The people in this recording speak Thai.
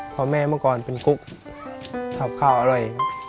พอแม่เมื่อก่อนเป็นกุ๊กสอบข้าวอร่อย